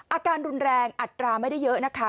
อาการรุนแรงอัตราไม่ได้เยอะนะคะ